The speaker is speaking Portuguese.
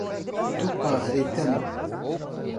Tuparetama